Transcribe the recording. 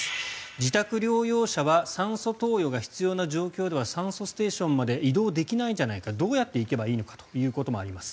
自宅療養者は酸素投与が必要な状況では酸素ステーションまで移動できないんじゃないかどうやって行けばいいのかということもあります。